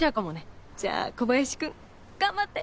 じゃ小林君頑張って。